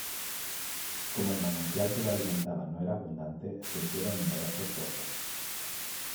Como el manantial que lo alimentaba no era abundante, se hicieron numerosos pozos.